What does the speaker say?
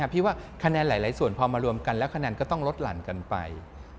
พี่ว่าคะแนนหลายส่วนพอมารวมกันแล้วคะแนนก็ต้องลดหลั่นกันไป